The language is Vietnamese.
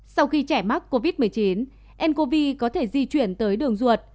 sau khi trẻ mắc covid một mươi chín ncov có thể di chuyển tới đường ruột